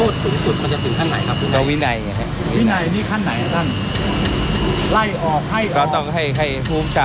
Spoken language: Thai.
สูงสุดมันจะถึงขั้นไหนครับ